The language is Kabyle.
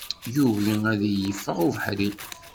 Yugi ad yi-iffeɣ ubeḥri.